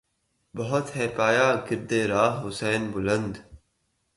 بہت ہے پایۂ گردِ رہِ حسین بلند